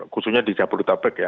khususnya di jabodetabek ya